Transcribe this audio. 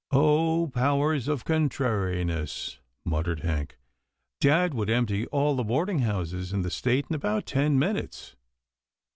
*'Oh! powers of contrariness," muttered Hank, " Dad would empty all the boarding houses in the state in about ten minutes."